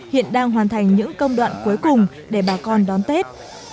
hiện đang hoàn thành những công đoạn cuối cùng để bà con đón tết